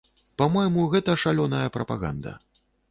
Па-мойму, гэта шалёная прапаганда.